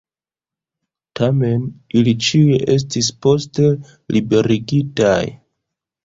Tamen, ili ĉiuj estis poste liberigitaj.